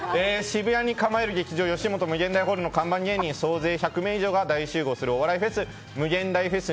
渋谷に構える劇場ヨシモト∞ホールの看板芸人総勢１００名以上が大集合するお笑いフェスムゲンダイフェス